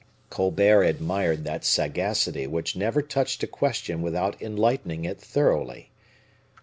Colbert admired that sagacity which never touched a question without enlightening it thoroughly.